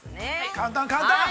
◆簡単簡単。